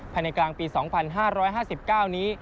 ภายในกลางปี๒๕๕๙นี้